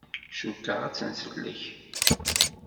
Cukkeɣ ad tt-nsellek.